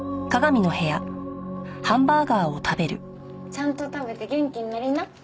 ちゃんと食べて元気になりな。